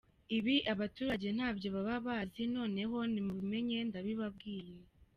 Ibi abaturage ntabyo baba bazi noneho nimubimenye ndabibabwiye.